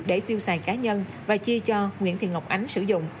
để tiêu xài cá nhân và chi cho nguyễn thị ngọc ánh sử dụng